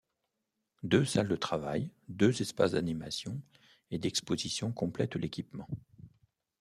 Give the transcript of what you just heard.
Deux salles de travail, deux espaces d’animation et d’exposition complètent l’équipement.